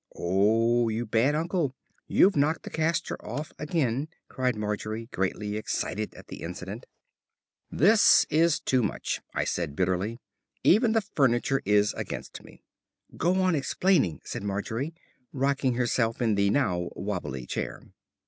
"Oh, you bad uncle, you've knocked the castor off again," cried Margery, greatly excited at the incident. "This is too much," I said bitterly. "Even the furniture is against me." "Go on explaining," said Margery, rocking herself in the now wobbly chair.